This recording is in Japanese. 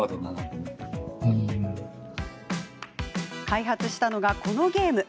開発したのがこのゲーム。